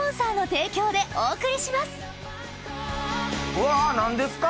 うわ何ですか？